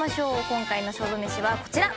今回の勝負めしはこちら。